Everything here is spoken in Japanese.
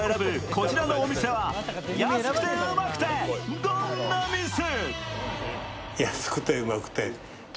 こちらのお店は、安くてウマくてどんな店？